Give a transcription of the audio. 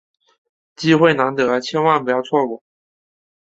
机会难得，千万不要错过！